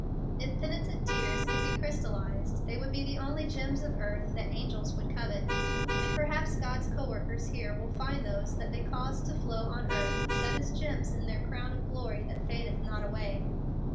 If penitent tears could be crystallized they would be the only gems of earth that angels would covet, and perhaps God's co workers here will find those that they caused to flow on earth, set as gems in their "crown of glory that fadeth not away."